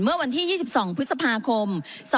เมื่อวันที่๒๒พฤษภาคม๒๕๖